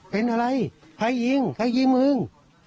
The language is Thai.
เป็นอะไรไพ่หญิงไพ่หญิงเหมือง